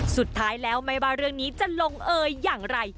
สุดท้ายแล้วไม่ว่าเรื่องนี้จะลงเอยอย่างไร